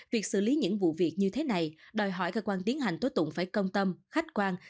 việc xử lý những vụ việc như thế này đòi hỏi cơ quan tiến hành tố tụng phải công tâm khách quan